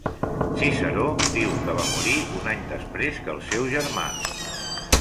Ciceró diu que va morir un any després que el seu germà.